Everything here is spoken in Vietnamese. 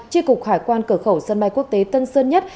tri cục hải quan cửa khẩu sân bay quốc tế tân sơn nhất